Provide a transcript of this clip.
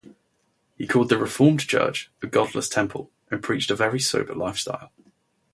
He called the Reformed Church a godless temple and preached a very sober lifestyle.